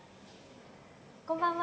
こんばんわ！